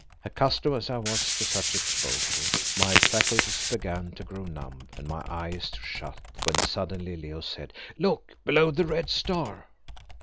Accustomed as I was to such exposure, my faculties began to grow numb and my eyes to shut, when suddenly Leo said "Look, below the red star!"